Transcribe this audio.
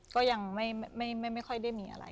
ก็ยังไม่ค่อยได้มีอะไร